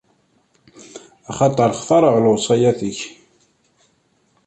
Axaṭer xtaṛeɣ lewṣayat-ik.